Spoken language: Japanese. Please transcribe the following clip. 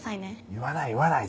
言わない言わない。